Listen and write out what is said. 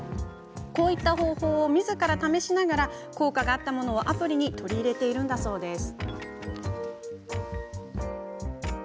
こういった方法をみずから試しながら効果があったものをアプリに取り入れているんだそうです。